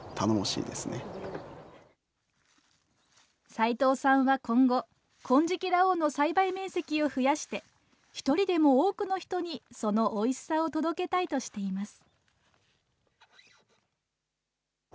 齋藤さんは今後、金色羅皇の栽培面積を増やして、一人でも多くの人にそのおいしさを届けたいとしています。